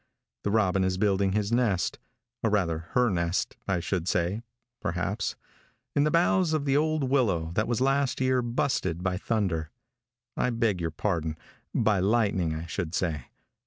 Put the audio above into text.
The robin is building his nest or rather her nest, I should say, perhaps in the boughs of the old willow that was last year busted by thunder I beg your pardon by lightning, I should say.